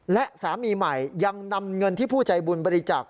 และสามีใหม่ยังนำเงินที่ผู้ใจบุญบริจาค